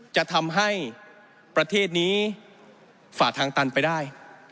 จะทำให้ประเทศนี้ฝ่าทางตันไปได้